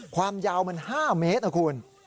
ความยาวมัน๕เมตรนะคุณ